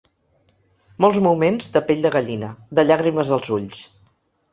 Molts moments de pell de gallina, de llàgrimes als ulls.